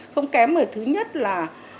không kém ở thứ nhất là